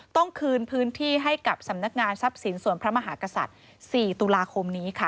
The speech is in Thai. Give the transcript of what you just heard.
ต้องคืนพื้นที่ให้กับสำนักงานทรัพย์สินส่วนพระมหากษัตริย์๔ตุลาคมนี้ค่ะ